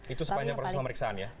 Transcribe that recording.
itu sepanjang proses pemeriksaan ya